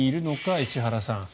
石原さん。